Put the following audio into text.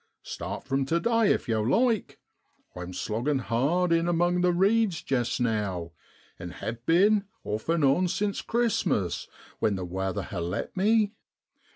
Start from tu day, if yow like; I'm sloggin' hard in among the reeds jest now, and have been off an' on since Christmas, when the wather ha' let me.